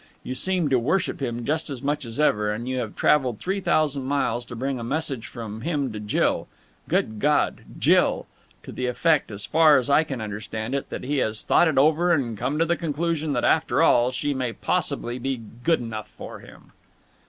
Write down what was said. You seem to worship him just as much as ever. And you have travelled three thousand miles to bring a message from him to Jill Good God! Jill! to the effect, as far as I can understand it, that he has thought it over and come to the conclusion that after all she may possibly be good enough for him!"